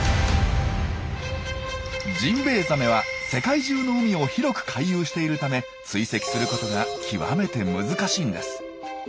ジンベエザメは世界中の海を広く回遊しているため追跡することが極めて難しいんです。